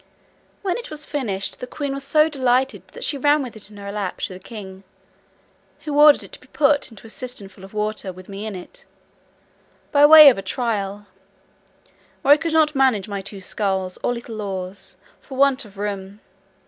When it was finished, the queen was so delighted, that she ran with it in her lap to the king, who ordered it to be put into a cistern full of water, with me in it, by way of trial, where I could not manage my two sculls, or little oars, for want of room.